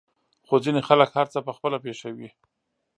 خو ځينې خلک هر څه په خپله پېښوي.